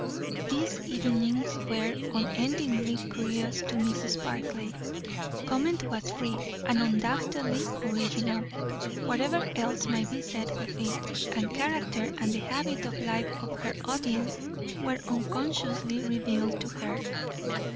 These evenings were unendingly curious to Mrs. Barclay. Comment was free, and undoubtedly original, whatever else might be said of it; and character, and the habit of life of her audience, were unconsciously revealed to her.